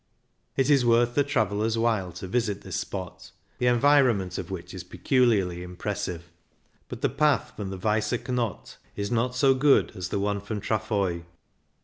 It is worth the traveller's while to visit this spot, the environment of which is peculiarly impressive ; but the path from the Weisse Knott is not so good as the one from Trafoi.